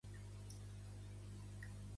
Què xoca a Sabadell?